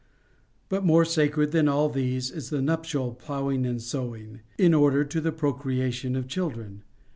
But more sacred than all these is the nuptial ploughing and sowing, in order to the procrea tion of children.